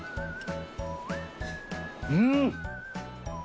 うん！